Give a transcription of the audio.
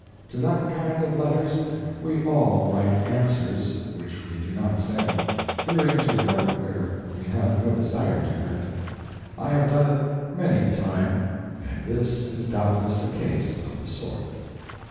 To that kind of letters we all write answers which we do not send, fearing to hurt where we have no desire to hurt; I have done it many a time, and this is doubtless a case of the sort.